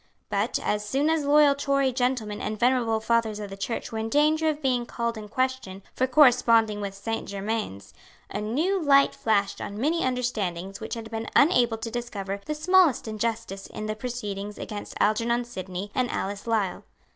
But, as soon as loyal Tory gentlemen and venerable fathers of the Church were in danger of being called in question for corresponding with Saint Germains, a new light flashed on many understandings which had been unable to discover the smallest injustice in the proceedings against Algernon Sidney and Alice Lisle.